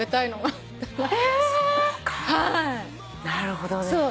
なるほどね。